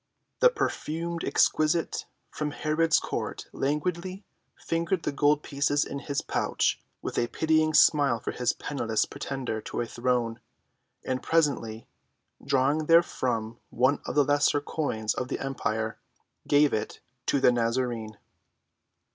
The perfumed exquisite from Herod's court languidly fingered the gold pieces in his pouch, with a pitying smile for this penniless pretender to a throne, and presently, drawing therefrom one of the lesser coins of the empire, gave it to the Nazarene.